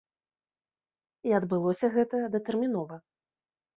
І адбылося гэта датэрмінова.